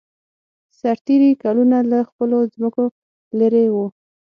سرتېري کلونه له خپلو ځمکو لېرې وو.